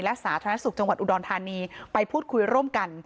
และสาธารณสุขจังหวัดอุดรธานีไปพูดคุยร่วมกัน